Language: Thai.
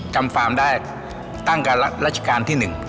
จำฟามได้ตั้งกับรัชกาลที่หนึ่ง